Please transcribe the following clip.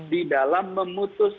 di dalam memutus